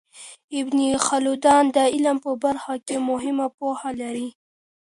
ابن خلدون د علم په برخه کي مهمه پوهه لري.